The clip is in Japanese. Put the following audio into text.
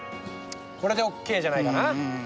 これでＯＫじゃないかな？